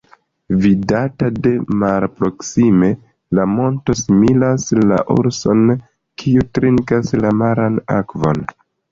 Vidata de malproksime la monto similas la urson, kiu trinkas la maran akvon.